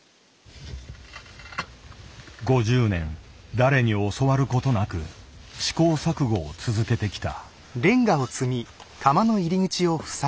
５０年誰に教わることなく試行錯誤を続けてきた。